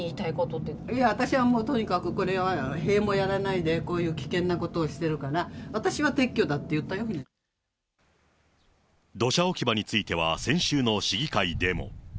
私はもうとにかく、塀もやらないで、こういう危険なことをしてるから、私は撤去だって言った土砂置き場については先週の市議会でも。